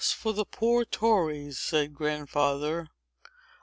for the poor tories!" said Grandfather.